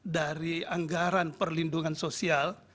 dari anggaran perlindungan sosial